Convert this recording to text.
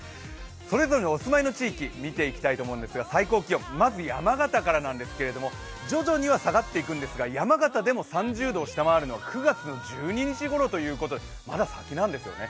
それぞれお住まいの地域見ていきたいと思うんですが、最高気温まず山形からなんですけれども徐々に下がってくるんですけれども山形でも３０度を下回るのは９月１２日ごろということでまだ先なんですよね。